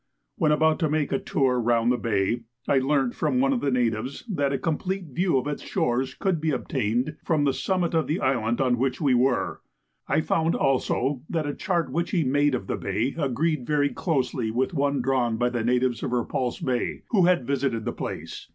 When about to make a tour round the bay, I learnt from one of the natives that a complete view of its shores could be obtained from the summit of the island on which we were. I found also that a chart which he made of the bay agreed very closely with one drawn by the natives of Repulse Bay, who had visited the place.